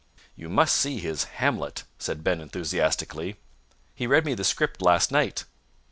"You must see his Hamlet," said Ben enthusiastically. "He read me the script last night.